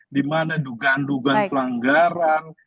dimana dugaan dugaan pelanggaran